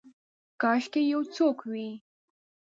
کاشکي یو څوک وی